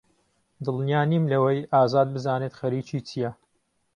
دڵنیا نیم لەوەی ئازاد بزانێت خەریکی چییە.